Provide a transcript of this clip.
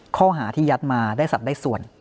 ข้อหาที่ยัดมาได้สัตว์ได้ส่วน